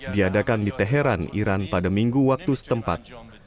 diadakan di teheran iran pada minggu waktu setempat